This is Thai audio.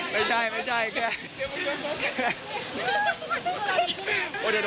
ไม่ใช่